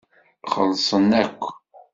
Xellṣen akk.